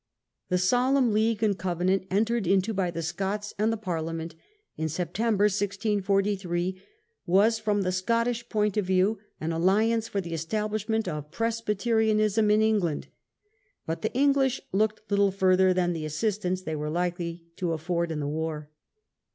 The " Solemn League and Covenant " entered into by the Scots and the Parliament in September, 1643, was, from the Scottish point of view, an alliance for the establishment of Presbyterianism in England, but the English looked little further than the assistance they were likely to afford in the war.